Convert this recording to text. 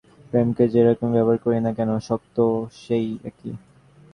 প্রেমকে যেরূপেই ব্যবহার করি না কেন, শক্তি সেই একই।